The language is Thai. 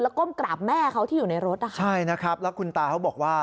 ก้มกราบแม่เขาที่อยู่ในรถนะคะใช่นะครับแล้วคุณตาเขาบอกว่า